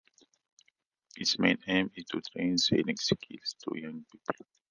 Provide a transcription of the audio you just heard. Its main aim is to train sailing skills to young people.